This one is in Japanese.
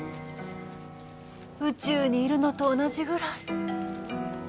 宇宙にいるのと同じぐらい。